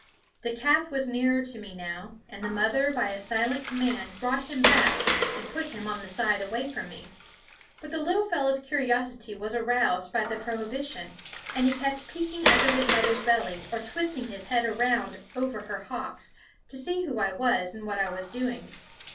The calf was nearer to me now, and the mother by a silent command brought him back and put him on the side away from me; but the little fellow's curiosity was aroused by the prohibition, and he kept peeking under his mother's belly, or twisting his head around over her hocks, to see who I was and what I was doing.